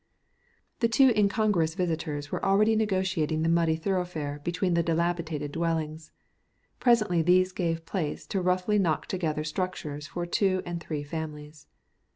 The two incongruous visitors were already negotiating the muddy thoroughfare between the dilapidated dwellings. Presently these gave place to roughly knocked together structures for two and three families.